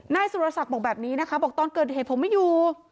นายสุรศักดิ์บอกแบบนี้นะคะบอกตอนเกิดเหตุผมไม่อยู่